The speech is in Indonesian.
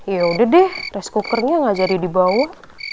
yaudah deh rice cookernya nggak jadi dibawa